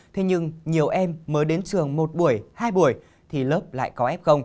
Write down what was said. thế nhưng nhiều em mới đến trường một buổi hai buổi thì lớp lại có f